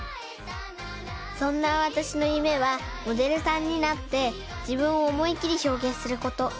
そんなわたしのゆめはモデルさんになってじぶんをおもいっきりひょうげんすること。